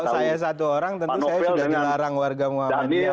kalau saya satu orang tentu saya sudah dilarang warga muhammadiyah